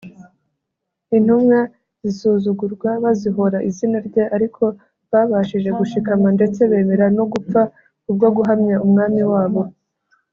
Intumwa zisuzugurwa bazihora izina rye ariko babashije gushikama ndetse bemera no gupfa kubwo guhamya umwami wabo.